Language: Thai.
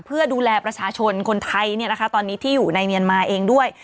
เพื่อดูแลประชาชนคนไทยตอนนี้ที่อยู่ในเมียนมาเองด้วย